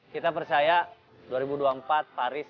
kita percaya dua ribu dua puluh empat paris